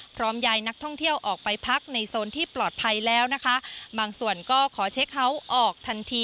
พร้อมยายนักท่องเที่ยวออกไปพักในโซนที่ปลอดภัยแล้วนะคะบางส่วนก็ขอเช็คเฮาส์ออกทันที